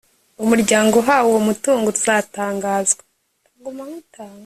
umuryango uhawe uwo mutungo uzatangazwa mu